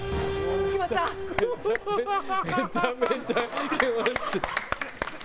めちゃめちゃ気持ちいい。